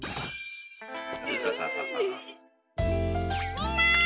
みんな！